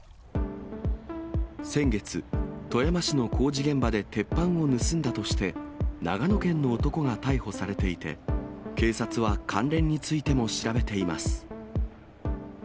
先月、富山市の工事現場で鉄板を盗んだとして、長野県の男が逮捕されていて、警察は関連についても調べています。